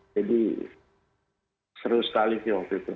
jadi seru sekali sih waktu itu